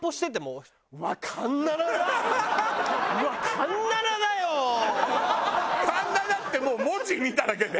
「環七」ってもう文字見ただけで？